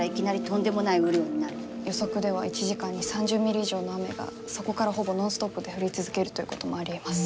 予測では１時間に３０ミリ以上の雨がそこからほぼノンストップで降り続けるということもありえます。